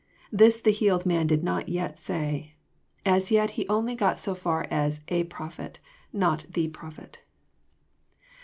This the healed man did not yet say. As yet he only got so far as "a Prophet," not " the Prophet."